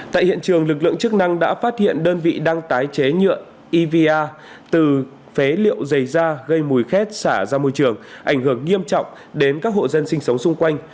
tại hiện trường lực lượng chức năng đã phát hiện đơn vị đang tái chế nhựa iva từ phế liệu dày da gây mùi khét xả ra môi trường ảnh hưởng nghiêm trọng đến các hộ dân sinh sống xung quanh